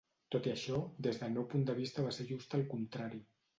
Tot i això, des del meu punt de vista va ser just al contrari.